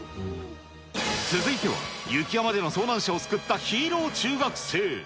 続いては雪山での遭難者を救ったヒーロー中学生。